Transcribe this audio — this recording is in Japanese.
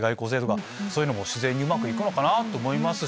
そういうのも自然にうまくいくのかなぁと思いますし。